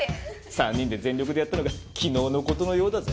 ３人で全力でやったのが昨日のことのようだぜ。